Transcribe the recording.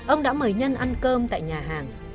ông đã mời nhân ăn cơm tại nhà hàng